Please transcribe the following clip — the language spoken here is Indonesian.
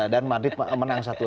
dan madrid menang satu